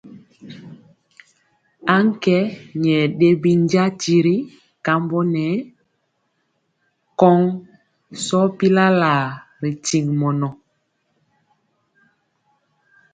Aŋkɛ nyɛ ɗe binja tiri kambɔ nɛ kɔŋ sɔ pilalaa ri tiŋ mɔnɔ.